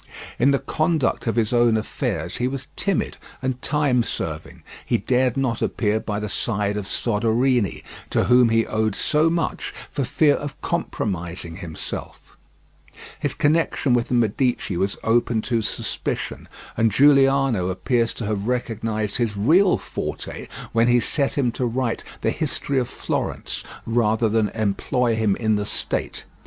In the conduct of his own affairs he was timid and time serving; he dared not appear by the side of Soderini, to whom he owed so much, for fear of compromising himself; his connection with the Medici was open to suspicion, and Giuliano appears to have recognized his real forte when he set him to write the "History of Florence," rather than employ him in the state.